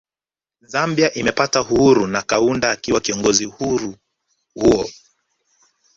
Zambia imepata uhuru na Kaunda akiwa kiongozi uhuru huo